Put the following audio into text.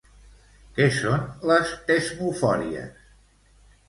Què són les tesmofòries?